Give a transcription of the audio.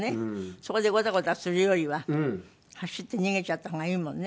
そこでゴタゴタするよりは走って逃げちゃった方がいいもんね。